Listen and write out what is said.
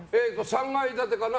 ３階建てかな。